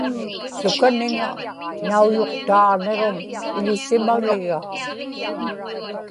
sukaniŋa nauyuqtaaġniġum iḷisimagiga